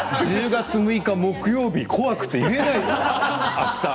１０月６日木曜日怖くて言えないよ、あした。